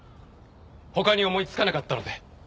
他に思い付かなかったので。